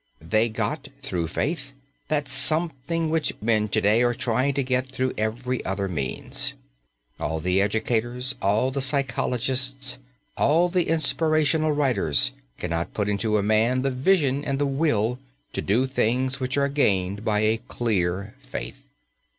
They got, through faith, "that something" which men to day are trying to get through every other means. All the educators, all the psychologists, all the inspirational writers cannot put into a man the vision and the will to do things which are gained by a clear faith.